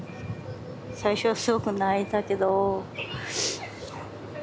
最初はすごく泣いたけどうん。